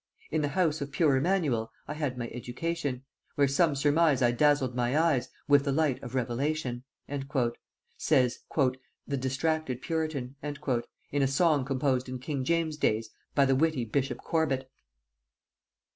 "In the house of pure Emanuel I had my education, Where some surmise I dazzled my eyes With the light of revelation;" says "the Distracted Puritan," in a song composed in king James's days by the witty bishop Corbet.